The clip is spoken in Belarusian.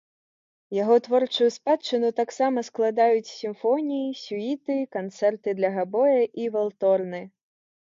Яго творчую спадчыну таксама складаюць сімфоніі, сюіты, канцэрты для габоя і валторны.